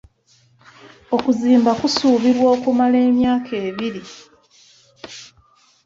Okuzimba kusuubirwa okumala myaka ebiri.